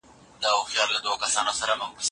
دا هلک چې توپ وهي زما نږدې ملګری دی.